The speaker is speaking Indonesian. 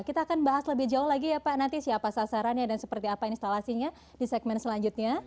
kita akan bahas lebih jauh lagi ya pak nanti siapa sasarannya dan seperti apa instalasinya di segmen selanjutnya